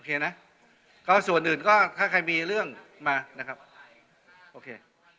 นะก็ส่วนอื่นก็ถ้าใครมีเรื่องมานะครับโอเค